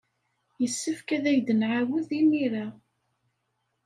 Yessefk ad ak-d-nɛawed imir-a.